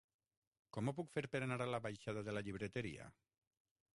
Com ho puc fer per anar a la baixada de la Llibreteria?